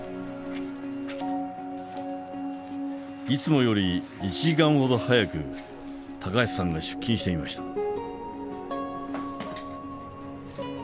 いつもより１時間ほど早く橋さんが出勤していました。